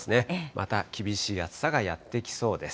また厳しい暑さがやってきそうです。